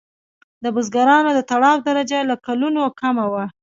د بزګرانو د تړاو درجه له کولونو کمه وه.